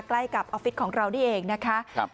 ใกล้กับออฟฟิศของเรานี่เองนะคะ